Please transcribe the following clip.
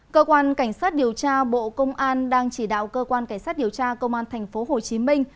cơ quan cảnh sát điều tra bộ công an đang chỉ đạo cơ quan cảnh sát điều tra công an thành phố hồ chí minh